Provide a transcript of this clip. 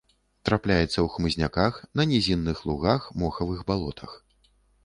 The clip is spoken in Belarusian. Трапляецца ў хмызняках, на нізінных лугах, мохавых балотах.